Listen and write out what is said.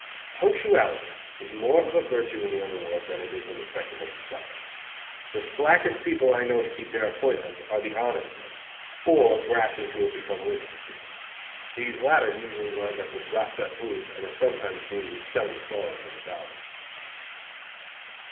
Punctuality is more of a virtue in the under world than it is in respectable society. The slackest people I know to keep their appointments, are the honest ones; or grafters who have become whiskey fiends. These latter usually wind up with rot gut booze and are sometimes seen selling songs on the Bowery.